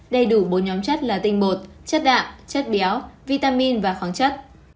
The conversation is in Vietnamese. đầy đủ bốn nhóm chất là tinh bột chất đạm chất béo vitamin và khoáng chất